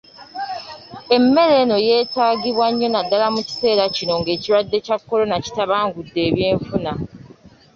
Emmere eno yeetaagibwa nnyo naddala mu kiseera kino ng’ekirwadde kya Korona kitabangudde ebyenfuna .